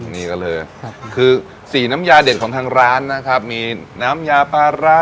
นี่ก็เลยคือสีน้ำยาเด็ดของทางร้านนะครับมีน้ำยาปลาร้า